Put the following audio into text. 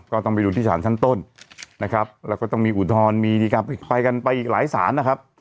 ก็ต้องไปดูที่สารชั้นต้นนะครับแล้วก็ต้องมีอุทธรณ์มีการไปกันไปอีกหลายศาลนะครับ